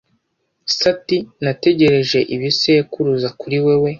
Se ati: "Nategereje ibisekuruza kuri wewe."